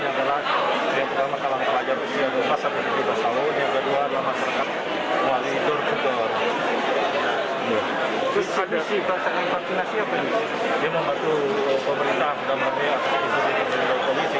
yang membantu pemerintah dan pemerintah di sini